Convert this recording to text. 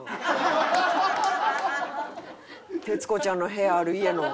徹子ちゃんの部屋ある家のエリア。